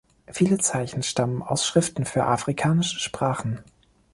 Viele Zeichen stammen aus Schriften für afrikanische Sprachen.